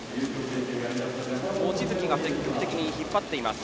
望月が積極的に引っ張っています。